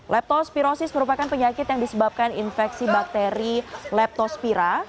leptospirosis merupakan penyakit yang disebabkan infeksi bakteri leptospira